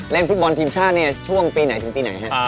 เล่นฟุตบอลทีมชาติเนี่ยช่วงปีไหนถึงปีไหนฮะ